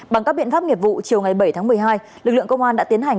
bằng các biện pháp nghiệp vụ chiều ngày bảy tháng một mươi hai lực lượng công an đã tiến hành